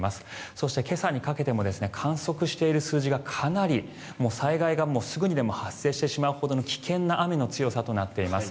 そして今朝にかけても観測している数字がかなり、災害がすぐにでも発生してしまうほどの危険な雨の強さとなっています。